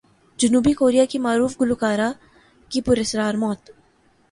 جنوبی کوریا کی معروف گلوکارہ کی پر اسرار موت